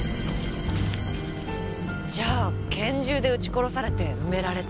じゃあ拳銃で撃ち殺されて埋められた？